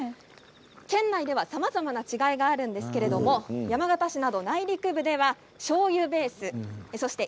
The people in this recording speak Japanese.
県内ではさまざまな違いがあるんですけれども山形市など内陸部ではしょうゆベース、そして